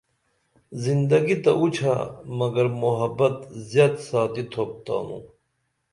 زندگی تہ اُچھہ مگر محبت زیت ساتی تُھوپ تانوں